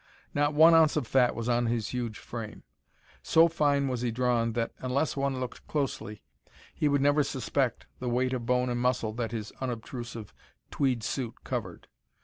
Not one ounce of fat was on his huge frame. So fine was he drawn that unless one looked closely he would never suspect the weight of bone and muscle that his unobtrusive tweed suit covered.